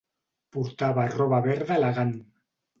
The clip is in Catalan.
Portava roba verda elegant.